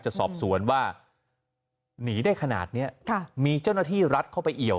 จะสอบสวนว่าหนีได้ขนาดนี้มีเจ้าหน้าที่รัฐเข้าไปเอี่ยว